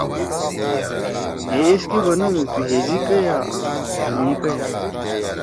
ہے ایس کے بنَدُو تو ہیزی کئیا آں ڙھینگی کئیا؟